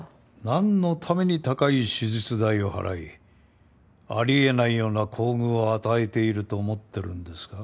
なんのために高い手術代を払いあり得ないような厚遇を与えていると思ってるんですか？